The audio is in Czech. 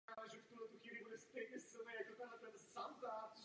Odborné zkoumání sériových vrahů jako samostatného tématu je poměrně mladé.